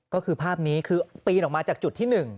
ก็คือภาพนี้คือปีนออกมาจากจุดที่๑